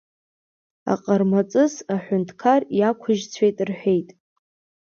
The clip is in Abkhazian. Аҟармаҵыс, аҳәынҭқар иақәыжьцәеит рҳәеит.